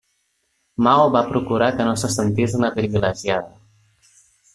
Mao va procurar que no se sentís una privilegiada.